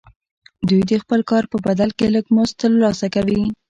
دوی د خپل کار په بدل کې لږ مزد ترلاسه کوي